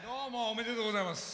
おめでとうございます。